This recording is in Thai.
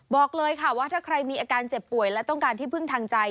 บอกเลยค่ะว่าถ้าใครมีอาการเจ็บป่วยและต้องการที่พึ่งทางใจ